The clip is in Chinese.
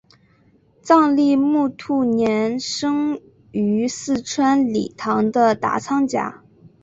藏历木兔年生于四川理塘的达仓家。